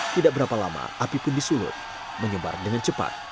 tidak berapa lama api pun disulut menyebar dengan cepat